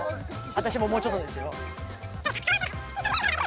私ももうちょっとですよ